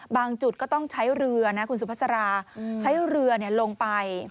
จุดก็ต้องใช้เรือนะคุณสุภาษาใช้เรือลงไป